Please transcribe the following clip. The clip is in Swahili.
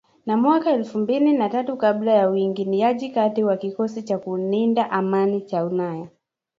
na mwaka elfu mbili na tatu kabla ya uingiliaji kati wa kikosi cha kulinda amani cha ulaya